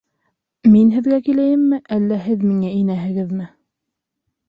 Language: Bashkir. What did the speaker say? Мин һеҙгә киләйемме, әллә һеҙ миңә инәһегеҙме?